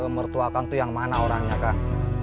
mertua kak itu yang mana orangnya kak